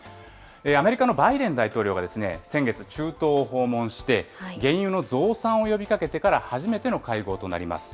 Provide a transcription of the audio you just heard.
アメリカのバイデン大統領が先月、中東を訪問して、原油の増産を呼びかけてから初めての会合となります。